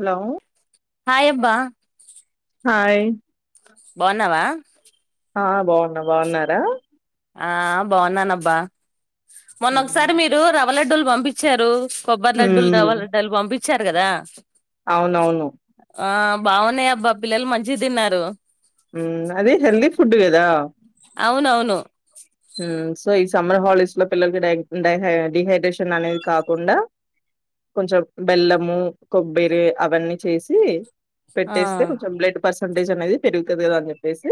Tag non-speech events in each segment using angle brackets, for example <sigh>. Hello hi అబ్బా hi బాగున్నావా ఆ బాగున్నా బాగున్నారా ఆ బాగున్నానబ్బా మొన్నొకసారి ఉమ్ మీరు రవ్వ లడ్డూలు పంపించారు కొబ్బరి లడ్డులు రవ్వ లడ్డలు పంపించారు కదా అవునవును ఆ బాగున్నాయ్యబ్బా పిల్లలు మంచిగ తిన్నారు మ్ అదిే హెల్దిీ ఫుడ్ క అవునవును మ్ సో ఈ సమ్మర్ హాలిడీస్ లో పిల్లలకి డైడైై డిహైడ్రేషన్ అనేది కాకుండా కొంచెం బెల్లము కొబ్బరి అవన్నీ చేసి ఆ పెట్టేస్తే కొంచెం బ్లడ్ పర్సంటేజ్ అనేది పెరుగుతది కదా అని చెప్పేసి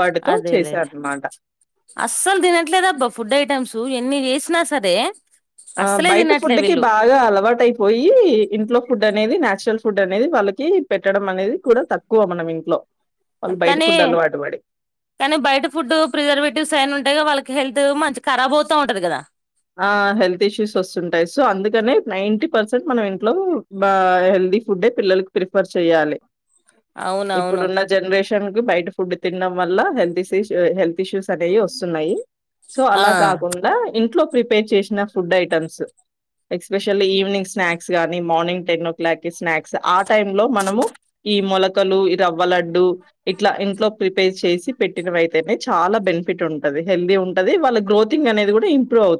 వాటితో అదేలే చేశా అన్నమాట అస్సలు దినట్లేదు అబ్బా ఫుడ్ ఐటమ్స్ ఎన్ని చేసినా సరే ఆ అస్సలే బయట తినట్లే ఫుడ్ కి వీళ్ళు బాగా అలవాటు ఐపోయి ఇంట్లో ఫుడ్ అనేది నేచురల్ ఫుడ్ అనేది వాళ్ళకి పెట్టడం అనేది కూడా తక్కువ మనం ఇంట్లో వాళ్ళు బయట కానీ ఫుడ్ అలవాటు పడి కానీ బయట ఫుడ్ ప్రిజర్వేటివ్స్ అయిన్నీ ఉంటాయ్గా వాళ్ళకి హెల్త్ ల్త్ మంచి ఖరాబు ఔతా ఉంటది కదా ఆ హెల్త్ ఇష్యూస్ వస్తుంటాయ్ సో అందుకనే నైన్టీ పర్సెంట్ మనం ఇంట్లో బా హెల్త్ ఫుడ్డే పిల్లలకి ప్రిఫర్ చెయ్యాలి అవునవును ఇప్పుడున్న జనరేషన్ కి బయట ఫుడ్ తినడం వల్ల హెల్త్ ఇష్యూస్ హె టిష్యూస్ అనేవి వస్తున్నాయి సో ఆ అలా కాకుండా ఇంట్లో ప్రిపేర్ చేసిన food items especially evening snacks గానీ, మార్నింగ్ టెన్ ఓ క్లాక్ కి స్నాక్స్ ఆ టై లో మనము ఈ మొల ముక్కలు ఈ రవ్వలడ్డు ఇట్లా ఇంట్లో ప్రిపేర్ చేసి పెట్టిన ఐతేనే చాలా బెనిఫిట్ ఉంటది హెల్దీ ఉంటది వాళ్ళ గ్రోథింగ్ అనేది కూడా ఇంప్రూవ్ ఔ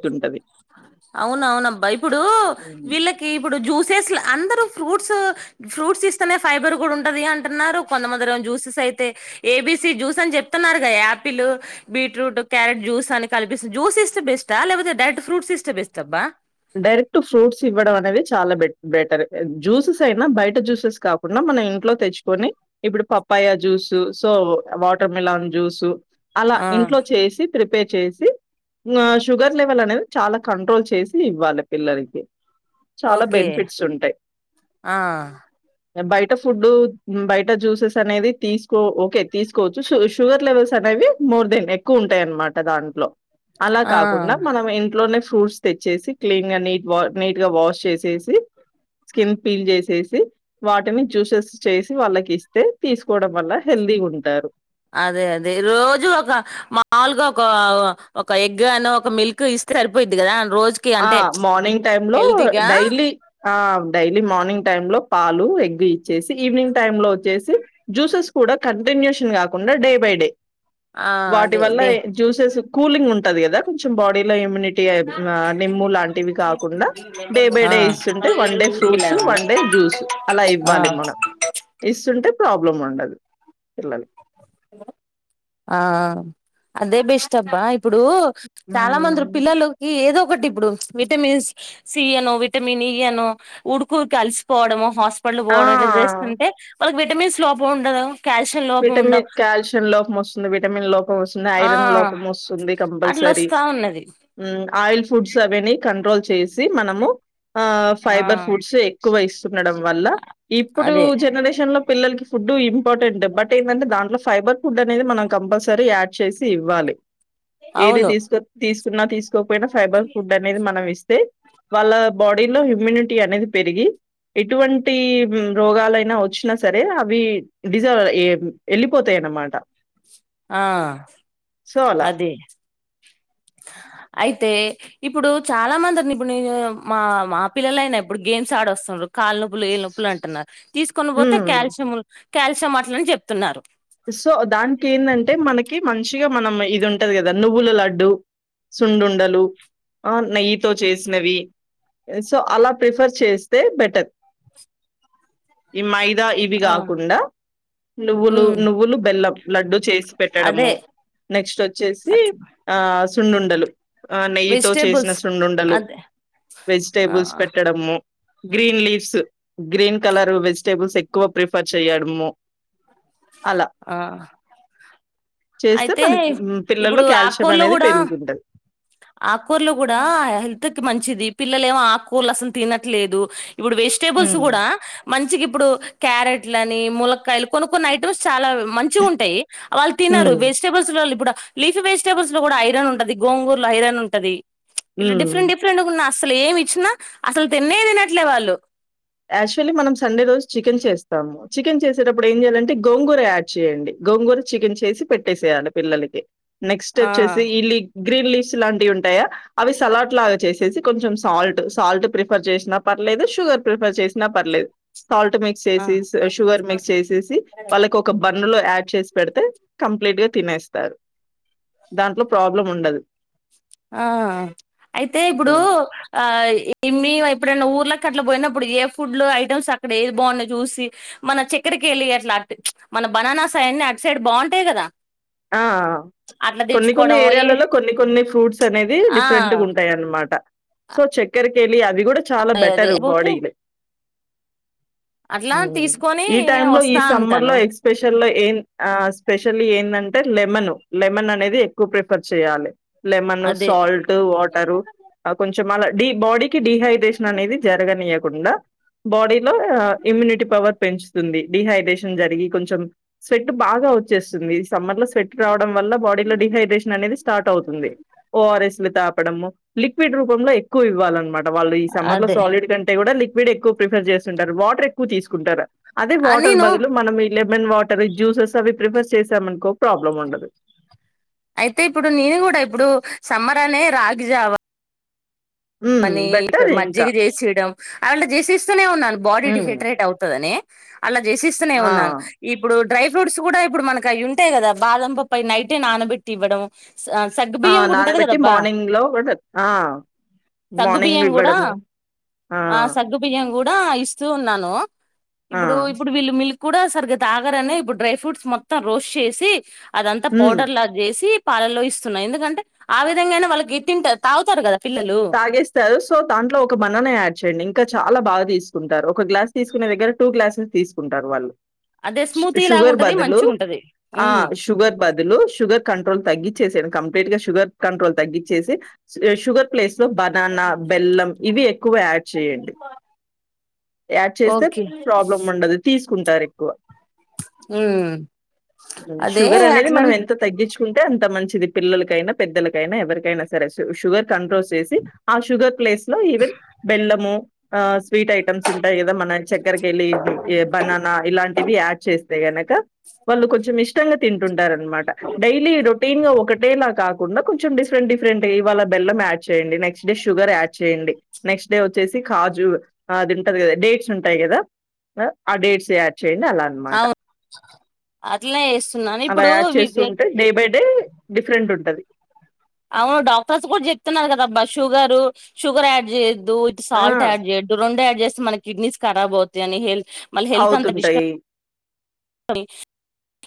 అవున అవునబ్బా ఇప్పుడు హ్మ్. వీళ్ళకి ఇప్పుడు జ్యూసెస్లా అందరూ ఫ్రూట్స్ ఫ్రూట్స్ ఇస్తనే ఫైబర్ కూడా ఉంటది అంటున్నారు కొంతమందిర జ్యూసెస్ అయితే ఏబీసి జ్యూస్ అని చెప్తున్నారు గా యాపిల్, బీట్రూట్, క్యారెట్, జ్యూస్ అని కల్పిస్తు జ్యూస్ ఇస్తే బెస్టా లేకపోతే డైరెట్ ఫ్రూట్స్ ఇష్టే బెస్ట్ అబ్బా డైరెక్ట్ ఫ్రూట్స్ ఇవ్వడం అనేది చాలా బెట్ బెటర్ జ్యూసెస్ అయినా బయట జ్యూసెస్ కాకుండా మన ఇంట్లో తెచ్చుకొని ఇప్పుడు papaya juice so watermelon juice అలా ఆ ఇంట్లో చేసి ప్రిపేర్ చేసి ఉమ్ షుగర్ లెవెల్ అనేది చాలా కంట్రోల్ చేస్ ఇవ్వాలి పిల్లలకి చాలా ఓకే బెనిఫిట్స్ ఉంటాయ్ ఆ బయట ఫుడ్ బయట జూసెస్ అనేది తీసుకో ఓకే తీసుకోవచ్చు షు షుగర్ లెవెల్స్ అనే అనేవి మోర్ దెన్ ఎక్కువ ఉంటాయి అనమాట దాంట్లో అలా ఆ కాకుండా మనం ఇంట్లోనే ఫ్రూట్స్ తెచ్ చ్చేసి క్లీన్ గా న నీట్ గా వాష్ చేసేసి చ్ స్కిన్ పీల్ చేసేసి వాటిని జూసెస్ చేసి వాళ్ళకి ఇస్తే తీసుకోవడం వల్ల హెల్దీగా ఉంటారు అదే అదే రోజు ఒక మాముూల్గా ఒక ఒక ఎగ్ గాని ఒక మిల్క్ ఇస్ సరిపోయిద్ది కదా రోజుకి ఆ అంటే మార్నింగ్ టైమ్ లో హెల్తీగా డైలీ ఆ డైలీ మార్నింగ్ టైమ్ లో పాలు ఎగ్ ఇచ్చేసి ఈవినింగ్ టైం లో వచ్చేసి జూసెస్ కూడా కంటిన్యూషన్ కాకుం డే బై డే ఆ వాటి అదే వల్ల దే జూసెస్ కూలింగ్ ఉంటది కదా కొంచెం బాడీలో ఇమ్యూనిటీ ఆ నిమ్ము లాంటివి కాకుండా డే బై ఆ డే ఇస్తుంటే వన్ లేరు డే ఫ్రూట్సు ఊరికెళ్ళారన్న వన్ డే జూస్ అలా ఆ ఇవ్వాలి మనం ఇస్తుంటే ప్రాబ్లం ఉండదు పిల్లల్ హలో ఆ ఆ అదే బెస్ట్ అబ్బా ఇప్పుడు చాలా మందిరి హ్మ్. పిల్లలుకి ఏదో ఒకటి ఇప్పుడు విటమిన్స్ సీ, అనో విటమిన్ ఈ అనో, ఊరుకూరికే అలిసిపోవడం హాస్ పళ్ళు పోవడం ఇట్లా ఆ! చేస్తుంటే వాళ్ళకి విటమిన్స్ లోపం ఉండదు కాల్షియం లోపం విటమి ఉండవు కాల్షియం లోప్ మొస్తుంది విటమిన్ లోపం వస్తుంది ఆ ఐరన్ లోపం వస్తుంది అట్లా కంపల్సరీ వస్తా ఉన్నది ఉమ్ ఆయిల్ ఫుడ్స్ అవన్నీ కంట్రోల్ చేసి మనము ఆ ఆ ఫైబర్ ఫుడ్స్ ఎక్కువ ఇస్తుండడం వల్ల ఇప్పుడు అదే జనరేషన్ లో పిల్లలకి ఫుడ్డు ఇంపార్టెంట్ బట్ ఏందంటే దాంట్లో ఫైబర్ ఫుడ్ అనేది మనం కంపల్సరీ యాడ్ చేసి ఇవ్వాలి ఏది అవును తీసుకో తీసుకున్నా తీసుకోపోయినా ఫైబర్ ఫుడ్ అనేది మనం ఇస్తే వాళ్ళ బాడీ లో హ్యూమినిటీ అనేది పెరిగి ఎటువంటి రోగాలైనా వచ్చినా సరే అవి డిజ ఏ వెళ్లిపోతాయి అన్నమాట ఆ సో అలా. అది అయితే ఇప్పుడు చాలా మంది అ ఇప్పుడు నేను మా మా పిల్లల అయినా ఇప్పుడు గేమ్స్ ఆడొస్తున్నా కల్నొప్పులు ఏళ్ల నొప్పులు అంటున్నారు తీసుకొనిపోతే హ్మ్. కల్షియం కాల్షియం అట్లని చెప్తున్నారు సో దానికి ఏందంటే మనకి మంచిగా మనం ఇది ఉంటది కదా నువ్వుల లడ్డు సున్నుండలు ఆ నెయ్యితో చేసినవి సో అలా ప్రిఫర్ చేస్తే బెటర్ ఈ మైద మైదా ఇవి ఆ కాకుండా నువ్వులు హ్మ్ నువ్వులు బెల్లం లడ్డు చేసి అదే పెట్టడము నెక్స్ట్ వచ్చేసి అట్లా ఆ సున్నుండలు ఆ నెయ్యితో చేసిన వెజిటేబుల్స్ సున్నుండలు అదే ఆ వెజిటేబుల్స్ పెట్టడము green leaves green colour vegetables ఎక్కువ ప్రిఫర్ చేయడము అలా. ఆ చేస్తే అయితే మనకి హ్మ్, పిల్లల్లో ఇప్పుడు కాల్షియం ఆకుకూరలో అనేది కూడా పెరుగుతుంటది. ఆకుకుర్లు కూడా హెల్త్ కి మంచిది పిల్లలు ఏమో ఆకుకూరలు అసలు తినట్లేదు ఇప్పుడు వెజిటేబుల్స్ హ్మ్. కూడా మంచికి ఇప్పుడు క్యారెట్ లని ములకాయలు కొన్ని కొన్ని ఐటమ్స్ చాలా మంచిగా ఉంటాయి వాళ్ళు తిన్నారు హ్మ్. వెజిటేబుల్స్ లో కూడా లీఫ్ వెజిటబుస్ లో కూడా ఐరన్ ఉంటది గోంగూరలో ఐరన్ ఉంటది మిచ్ ఇలా హ్మ్. డిఫరెంట్ డిఫరెంట్గా ఉన్నా అసలు ఏమి ఇచ్చినా అసలు తిన్నే తినట్లే వాళ్ళు యాక్చువల్లీ మనం సండే రోజు చికెన్ చేస్తాం చికెన్ చేసేటప్పుడు ఏం చేయాలంటే గోంగూర యాడ్ చేయండి గోంగూర చికెన్ చేసి పెట్టేసేయాలి పిల్లలకి నెక్స్ట్ ఆ వచ్చసి ఈ లీ గ్రీన్ లీ లీవ్స్ ఇలాంటివి ఉంటాయా అవి సలాడ్ లాగా చేసేసి కొంచెం సాల్ట్ సాల్ట్ ప్రిఫర్ చేసిన పర్లేదు షుగర్ ప్రిఫర్ చేసినా పర్లేదు సాల్ట్ మిక్స్ చేసి షుగర్ మిక్స్ చేసేసి ఆ వాళ్ళకి ఒక బన్ను లో యాడ్ చేసి పెడితే కంప్లీట్ గా తినేస్తారు దాంట్లో ప్రాబ్లం ఉండదు ఆ అయితే ఇప్పుడు ఆ! ఆ మి ఎప్పుడైనా ఊరు ఊర్లకి అట్లా పోయినప్పుడు ఏ ఫుడ్లు ఐటమ్స్ అక్కడ ఏది బాగున్నాయి చూసి మన చక్కరికి వెళ్ళి అట్లా మిచ్ మన బనానాస్ అన్ని అటు సైడ్ బాగుంటాయి కదా ఆ అట్లా కొన్ని కొన్ని తెచ్చుకోవడం ఏ ఏరియాలలో కొన్ని కొన్ని ఫ్రూట్స్ అనేది ఆ డిఫరెంట్ గా ఉంటాయి అనమాట సో చక్కెర కేలీ అది కూడా చాలా అదే బెటర్ పోతే బాడీ వే అట్లా తీసుకొని ఈ టైమ్ లో ఈ వస్తా సమ్మర్ లో ఉంటాను ఎక్స్పెషల్లో ఏ ఆ స్పెషల్ ఏందం అంటే లెమన్ లెమన్ అనేది ఎక్కువ ప్రిఫర్ చేయాలి లెమన్ అదే సాల్ట్ వాటరు ఆ కొంచం అలా డి బాడీకిి డిహైడ్రేషన్ అనేది జరగనీయకుండా బాడీలో ఇమ్యూనిటీ పవర్ పెంచుతుంది డిహైడ్రేషన్ జరిగి కొంచెం స్వెట్ బాగా వచ్చేస్తుంది సమ్మర్ లో స్వెట్ రావడం వల్ల బాడీలో డిహైడ్రేషన్ అనేది స్టార్ట్ అవుతుంది ఓఆర్ఎస్ లు తాపడము లిక్విడ్ రూపంలో ఎక్కువ ఇవ్వాలన్నమాట వాళ్ళు ఈ సమ్మర్ లో అదే సాలిడ్ కంటే కూడా లిక్ వీడు ఎక్కువ ప్రిఫర్ చేస్తుంటారు వాటర్ ఎక్కువ తీసుకుంటారు అదే ఆ వాటర్ నేను బదులు మనం వీళ్ళ లెమెన్ వాటర్ జ్యూసెస్ అవి ప్రిఫర్ చేసామనుకో ప్రాబ్లం ఉండదు అయితే ఇప్పుడు నేను కూడ ఇప్పుడు సమ్మరానే రాగిజావ హ్మ్. అని బెటర్ ఇంకా. మజ్జిగ చేసియడం <unintelligible> చేసిస్తూనే ఉన్నాను బాడీ హ్మ్. డిహైడ్రేట్ అవుతదని అలా చేసిస్తూనే ఆ! ఉన్నాను ఇప్పుడు డ్రై ఫ్రూట్స్ కూడ ఇప్పుడు మనకి అవి ఉంటాయి కదా బాదం పపై నైటే నానబెట్టి ఇవ్వడం సగ్గు ఆ! బియ్యం కూడ ఉంటది కద నానబెట్టి అబ్బా మార్నింగ్‌లో గూడా ఆ! సగ్గు మార్నింగ్ బియ్యం కూడ ఇవ్వడము. ఆ సగ్గు బియ్య గూడ ఇస్తూ ఉన్నాను ఆ! ఇప్పుడు ఇప్పుడు కూడ సరిగ్గా తాగరనే ఇప్పుడు డ్రై ఫ్రూట్స్ మొత్తం రోస్ట్ చేసి అదంతా హ్మ్. పౌడర్ లా చేసి పాలల్లో ఇస్తున్న ఎందుకంటే ఆ విధంగాయినా వాళ్ళకి గట్టిం <unintelligible> తాగుతారు కదా పిల్లలు తాగేస్తారు సో దాంట్లో ఒక బబనానయాడ్ చేయండి ఇంకా చాలా బాగా తీసుకుంటారు ఒక గ్లాస్ తీసుకునే దగ్గర టూ క్లాసెస్ తీసుకుంటారు వాళ్ళు అదే షు స్మూతి లాగ షుగర్ ఉంటది బదులు మంచిగ ఉంటది ఆ ఉమ్ షుగర్ బదులు షుగర్ కంట్రోల్ తగ్గించేసాను క లైట్ గా సుగర్ కంట్రోల్ తగ్గించేసి బనాన బెల్లం ఇవి ఎక్కువ యాడ్ చేయండి యాడ్ చేస్తే ఓకే ప్రాబ్లం ఉండదు తీసుకుంటారు ఎక్కువ ఉమ్ అదే షుగర్ అనేది మనం అట్లనే ఎంత తగ్గించ్ కుంటే అంత మంచిది పిల్లలకైనా పెద్దలకైనా ఎవరికైనా సరే షుగర్ కంట్రోల్ చేసి ఆ షుగర్ ప్లేస్ లో ఈవెన్ బెల్లము ఆ స్వీట్ ఐటమ్స్ ఉంటాయి కదా మన చక్కరకెల్లి బనాన ఇలాంటివి యాడ్ చేస్తే గనక వాళ్ళు కొంచెం ఇష్ <unintelligible> తింటుంటారు అనమాట డైలీ రొటీన్గా ఒకటేలా కాకుండా కొంచెం డిఫరెంట్ డిఫరెంట్ ఇవాళ బెల్లం యాడ్ చేయండి నెక్స్ట్ డే షుగర్ యాడ్ చేయండి నెక్స్ట్ డే వచ్చేసి కాజు అదింటది కదా డేట్స్ ఉంటాయి కదా ఆ డేట్స్ యాడ్ చేయండి అల అనమాట అవు అట్లనే చేస్తున్నాను అలా ఇప్పుడు యాడ్ వి- వి- చేస్తుంటే డే బై డే డిఫరెంట్ ఉంట అవును డాక్టర్స్ కూడ చెప్తున్నారు కదాబ్బా షుగరు షుగర్ యాడ్ చే ఆ సాల్ట్ యాడ్ చేయడు రెండు యాడ్ చేస్తే మన కిడ్నీస్ కరాబ్ అవుతా అని హెల్త్ అవుతుంటాయి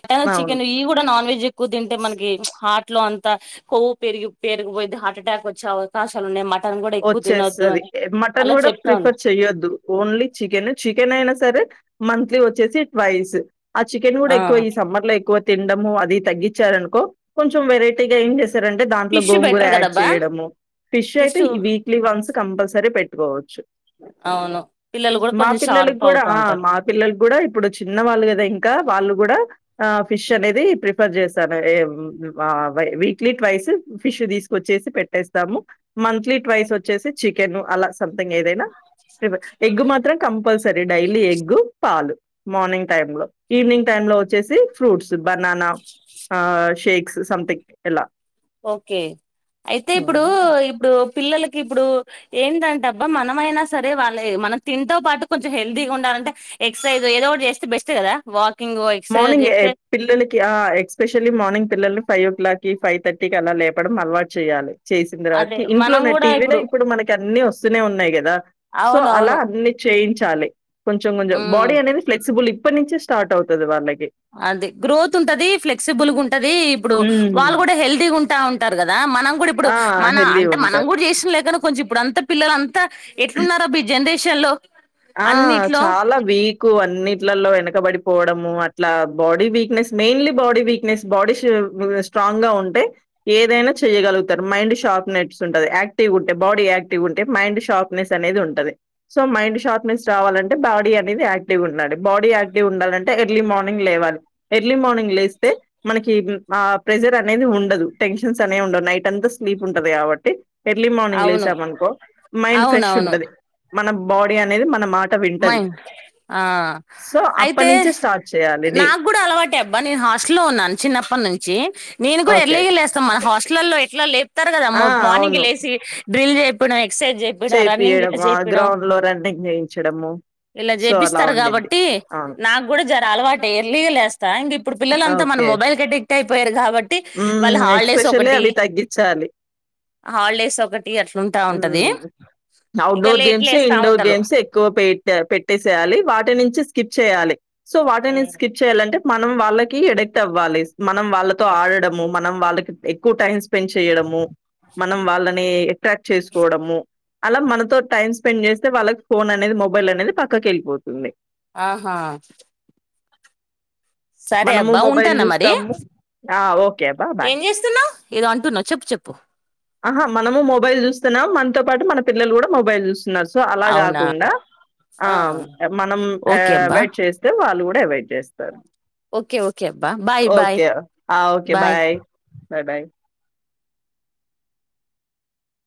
మటన్ అవును చికెన్ ఇ కూడ నాన్ వెజ్ ఎక్కువ తింటే మనకి హట్ ట్లో అంత కొవ్వు పెరిగి హార్ట్ అటాక్ వచ్చే అవకాశాలు <unintelligible> ఉన్నాయి మట్ వచ్చేస్తది మటన్ కూడ చెప్తాను ప్రిఫర్ చెయొద్దు ఓన్లీ చికెన్ చికెన్ అయినా సరే మంత్లీ వచ్చేసి ట్వైస్ ఆ చికెన్ కూడ ఆ ఎక్కువ ఈ సమ్మర్ లో ఎక్కువ తొండము అది తగ్గించారనుకో కొంచెం వెరైటీగా ఏం చేస్ దాంట్లో ఫిష్ గోంగుర బెటర్ యాడ్ కదబ్బా చేయడము ఫిష్ అయితే వీక్లీ వన్స్ కంపల్సరి <unintelligible> <unintelligible> అవును పిల్లలు కూడా మా కొంచెం పిల్లలకి షార్ప్ కూడ అవుతా ఆ ఉంటారు మా పిల్లలకి కూడ ఇప్పుడు చిన్నవాళ్ళు కదా ఇంక వాళ్ళు కూడ ఆ ఫిష్ అనేది ప్రిఫర్ చేస్తాను వీక్లీ ట్వైస్ ఫిష్ తీసుకొచ్చ మంత్లీ ట్వైస్ వచ్చేసి చికెన్ అల సంథింగ్ ఏదైనా ఎగ్గు మాత్రం కంపల్సరీ డైలీ ఎగ్గు పాలు మార్నింగ్ టైమ్ లో ఈవినింగ్ టైమ్ లో వచ్చేసి ఫ్రూట్స్ బనాన ఆ షేక్స్ సంథింగ్ ఇలా అయితే ఇప్పుడు హ్మ్. ఇప్పుడు పిల్లలకి ఇప్పుడు ఏంటంటే అబ్బ మనమైనా సరే వాళ్ళ మనం తింతో పాటు కొంచెం హెల్తీగ ఉండాలి అంటే ఎక్సర్సైజ్ ఏదో చేస్తే బెస్ట్ కదా వాక్ మార్నింగ్ ఏ పిల్లలకి ఎక్స్పెషల్లీ మార్నింగ్ పిల్లలు five o'clock five thirty కి అలా లేపడం అలవాటు చేయాలి చేసిన అదే తర్వాతకి మనం ఇంట్లోనే కూడా టీవీనే ఇప్పుడు మనకి అన్ని వస్తూనే ఉన్నాయి కదా సో అవును అలా అవును అన్ని చేయించాలి కొంచెం కొంచెం ఉమ్ బాడీ అనేది ఫ్లెక్సిబుల్ ఇప్పటి నుంచే స్టార్ట్ అవుతది వాళ్ళకి అదే గ్రోత్ ఉంటది ఫ్లెక్సిబుల్గా ఉంటది ఇప్పుడు హ్మ్. వాళ్ళు కూడా హెల్దీ ఉంటా ఉంటారు కదా మనం కూడా ఇప్పుడు ఆ! మన అంటే మనం హెల్తీ‌గుంటారు. కూడా చేసిన లేక కొంచెం ఇప్పుడుంత పిల్లలు అంతా ఎట్లున్నారో జనరేషన్ షన్లో ఆ చాలా వీకు అన్నిట్లలలో వెనకబడిపోవడము అట్లా body weakness mainly body weakness body strong గా ఉంటే ఏదైనా చేయగలుగుతారు మైండ్ షార్ప్ నెస్ ఉంటది యాక్టివ్ ఉంటే బాడీ యాక్టివ్ ఉంటే మైండ్ షార్ప్నెస్ అనేది ఉంటదింది సో మైండ్షార్ రావాలంటే బాడీ అనేది క్టివ్ ఉండి బాడీ యాక్టివ్ ఉండాలంటే ఎర్లీ మార్నింగ్ లేవాలి ఎర్లీ మ మార్నింగ్ లేస్తే మనకి ఆ ప్రెజర్ అనేది ఉండదు టెన్షన్స్ అనేవి ఉండదు నైట్ అంతా స్లీప్ ఉంటది కాబట్టి ఎర్లీ మార్నింగ్ అవును లేసామనుకో మైండ్ ఫ్రెష్ అవునవును ఉంటది మన బాడీ అనేది మనం మాట వింటది మైండ్ ఆ సో అప్పటి అయితే నుంచే స్టార్ట్ చే నాకు కూడా అలవాటే అబ్బా నేను హాస్టలో ఉన్నాను చిన్నప్పటి నుంచి నేను కూడా ఓకే. ఎర్లీగ లేస్తాం మన హాస్టల్లో ఎట్లా లేపుతారు కదా ఆ! మార్నింగ్ లేసి డ్రిల్ చేపియడం ఎక్సర్సైజ్ చేపియడం రన్నింగ్ ఇట్లా చేపియడమా చేపియడం గ్రౌండ్ లో రన్నింగ్ వేయించడము ఇలా చేపిస్తారు కాబట్టి నాకు కూడా జర అలవాటె ఎర్లీగా లేస్తా ఇంక ఇప్పుడు పిల్లలంతా మన ఓకే. మొబైల్ కి అడిక్ట్యిపోయారు కాబట్టి వాళ్ళ హ్మ్. హాలిడేస్ ఎక్స్‌పెషల్లీ ఒకటి అవి తగ్గిచ్చాలి. హాలిడేస్ ఒకటి అట్ లుంటా ఉంటది హ్మ్. ఇక అవుట్డోర్ లేటు గేమ్స్, లేస్తా ఇండోర్ ఉంటది గేమ్స్ ఎక్కువ పె పెట్టేసేయాలి వాటి నుంచి స్కిప్ చేయాలి సో వాటి నుంచి ఉమ్. స్కిప్ చేయ్యాలంటే మనం వాళ్ళకి ఎడిక్ట్ అవ్వాలి మనం వాళ్ళతో ఆడడము మనం వాళ్ళకి ఎక్కువ టైం స్పెండ్ చేయడము మనం వాళ్ళని అట్రాక్ట్ చేసుకోవడము అలా మనతో టైం స్పెండ్ చేస్తే వాళ్ళకి ఫోన్ అనేది మొబైల్ అనేది పక్కకి వెళ్ళిపోతుంది ఆహా సరే మనము అబ్బ మొబైల్ వుంటానా మరి జూస్తాము. ఆ! ఓకే అబ్బా! బాయ్. ఏం చేస్తున్నావు ఏదో అంటున్నావు చెప్పు చెప్పు ఆహా మనము మొబైల్ చూస్తున్నాము మనతో పాటు మన పిల్లలు కూడా మొబైల్ చూస్త సో అలా అవునా కాకుండా ఆ మనం ఓకే అబ్బా వెయిట్ చేస్తే వాళ్ళు కూడా ఏవై ఓకే ఓకే అబ్బా బాయ్ బాయ్ ఓకే ఆ ఓకే బాయ్ బాయ్ బైబై